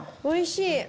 おいしい。